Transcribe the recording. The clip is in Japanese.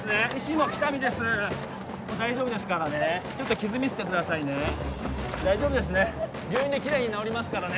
もう大丈夫ですからねちょっと傷診してくださいね大丈夫ですね病院でキレイに治りますからね